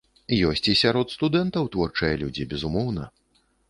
Ёсць і сярод студэнтаў творчыя людзі, безумоўна.